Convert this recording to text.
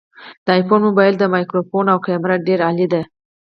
د آیفون مبایل مایکروفون او کامره ډیره عالي ده